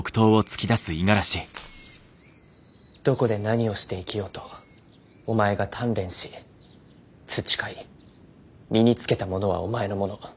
「どこで何をして生きようとお前が鍛錬し培い身につけたものはお前のもの。